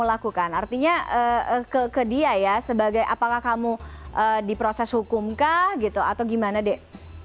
melakukan artinya ke dia ya sebagai apakah kamu diproses hukum kah gitu atau gimana dek